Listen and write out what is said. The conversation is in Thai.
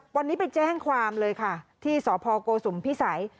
วันนี้ไปแจ้งความเลยค่ะที่สพโกสุมพิสัย